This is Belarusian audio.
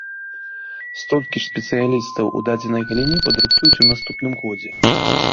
Столькі ж спецыялістаў у дадзенай галіне падрыхтуюць і ў наступным годзе.